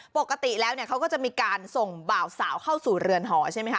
ปกติแล้วเนี่ยเขาก็จะมีการส่งบ่าวสาวเข้าสู่เรือนหอใช่ไหมค